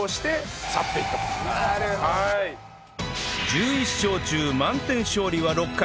１１勝中満点勝利は６回